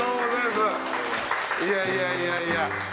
いやいやいやいや。